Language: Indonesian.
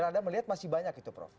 dan anda melihat masih banyak itu prof